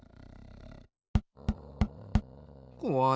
こわい。